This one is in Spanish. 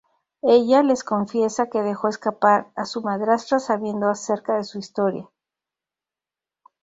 Ella les confiesa que dejó escapar a su madrastra sabiendo acerca de su historia.